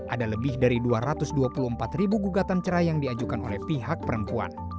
ada lebih dari dua ratus dua puluh empat ribu gugatan cerai yang diajukan oleh pihak perempuan